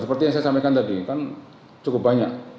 seperti yang saya sampaikan tadi kan cukup banyak